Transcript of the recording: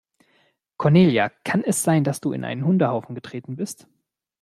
Cornelia, kann es sein, dass du in einen Hundehaufen getreten bist?